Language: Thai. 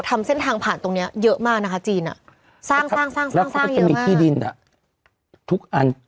เจอภาพตั้งนี้เยอะมากนะคะราคามีเท่าไหร่